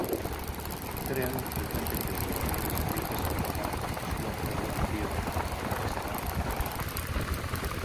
Non era infrecuente que os gobernantes etíopes aprazaran a súa coroación até máis tarde.